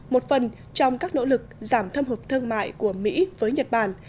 một phần trong các nỗ lực giảm thâm hụt thương mại của mỹ với nhật bản